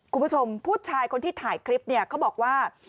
คุณผู้ชมผู้ชายคนที่ถ่ายคลิปเนี่ยเขาบอกว่า